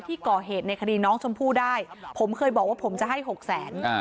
ที่ก่อเหตุในคดีน้องชมพู่ได้ผมเคยบอกว่าผมจะให้หกแสน